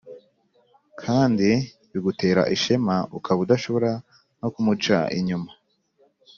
kandi bigutera ishema, ukaba udashobora no kumuca inyuma.